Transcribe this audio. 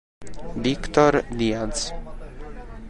Víctor Díaz